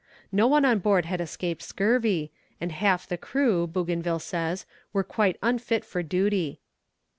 No one on board had escaped scurvy, and half the crew, Bougainville says, were quite unfit for duty.